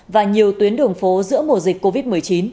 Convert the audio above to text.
và nhiều tuyến đường phố giữa mùa dịch covid một mươi chín